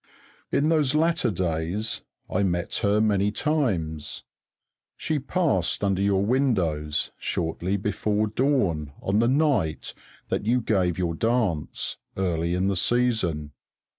In those latter days I met her many times. She passed under your windows shortly before dawn on the night that you gave your dance, early in the season.